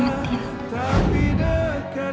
tapi dekat hidup aku